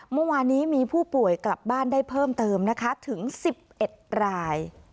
เมื่อวานนี้มีผู้ป่วยกลับบ้านได้เพิ่มเติมนะคะถึง๑๑ราย